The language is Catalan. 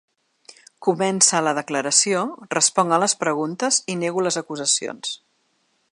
Comença la declaració, responc a les preguntes i nego les acusacions.